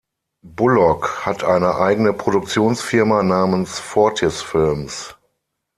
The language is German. Bullock hat eine eigene Produktionsfirma namens "Fortis Films".